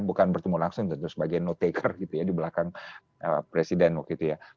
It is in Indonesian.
bukan bertemu langsung tentu sebagai notaker gitu ya di belakang presiden waktu itu ya